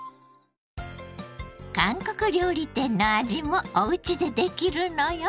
韓国料理店の味もおうちでできるのよ。